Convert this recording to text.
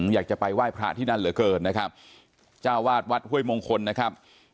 อยากจะไปไหว้พระที่นั่นเหลือเกินนะครับจ้าวาดวัดห้วยมงคลนะครับ